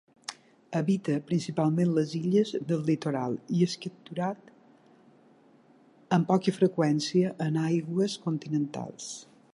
Habita principalment les illes del litoral i és capturat amb poca freqüència en aigües continentals.